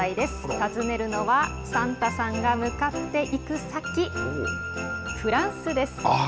訪ねるのはサンタさんが向かっていく先フランスです。